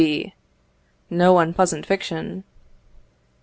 B. No unpleasant fiction.